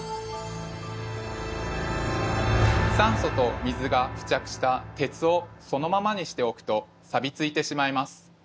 酸素と水が付着した鉄をそのままにしておくとさびついてしまいます。